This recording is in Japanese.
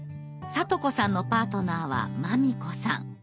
さと子さんのパートナーはまみこさん。